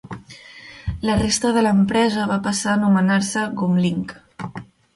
La resta de l'empresa va passar a anomenar-se Gumlink.